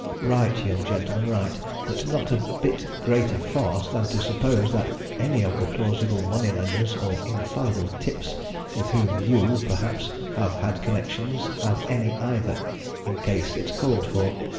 Right, young gentleman, right; but not a bit greater farce than to suppose that any of the plausible money lenders, or infallible 'tips' with whom you, perhaps, have had connection have any either, in case it's called for.